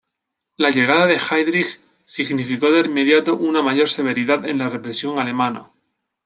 La llegada de Heydrich significó de inmediato una mayor severidad en la represión alemana.